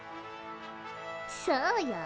そうよ。